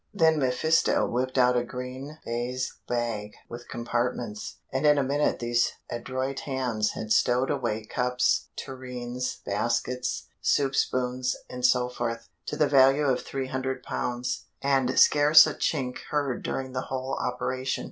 Then mephisto whipped out a green baize bag with compartments, and in a minute these adroit hands had stowed away cups, tureens, baskets, soup spoons, etc., to the value of three hundred pounds, and scarce a chink heard during the whole operation.